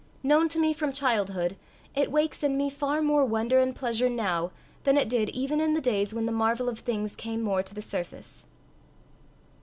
Known to me from childhood, it wakes in me far more wonder and pleasure now, than it did even in the days when the marvel of things came more to the surface.